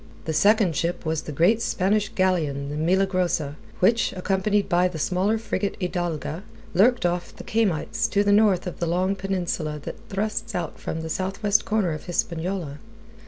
The second ship was the great Spanish galleon, the Milagrosa, which, accompanied by the smaller frigate Hidalga, lurked off the Caymites, to the north of the long peninsula that thrusts out from the southwest corner of Hispaniola.